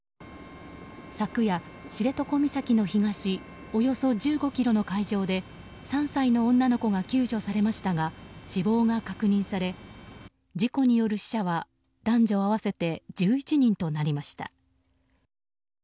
昨夜、知床岬の東およそ１５ｋｍの海上で３歳の女の子が救助されましたが死亡が確認され事故による死者は男女合わせて１１人となりました。